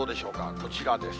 こちらです。